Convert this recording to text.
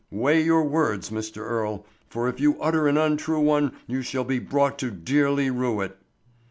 "Weigh your words, Mr. Earle; for if you utter an untrue one you shall be brought to dearly rue it."